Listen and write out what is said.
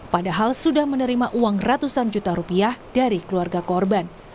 padahal sudah menerima uang ratusan juta rupiah dari keluarga korban